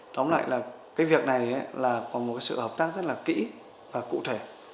tóm lại là cái việc này là có một cái sự hợp tác rất là kỹ và cụ thể